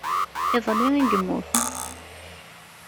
Iḍelli i yemmut.